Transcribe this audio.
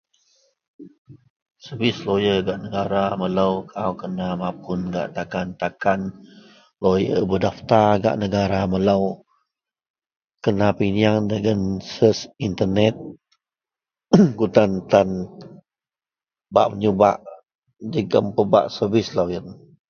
servis lawyer gak negara melou, au kena mapun gak takan-takan lawyer berdaftar gak negara melou, kena peyieng dagen search internate em kutan tan bak meyubak jegum pebak servis loyien